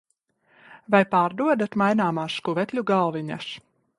Vai pārdodat maināmās skuvekļu galviņas?